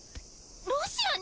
ロシアに？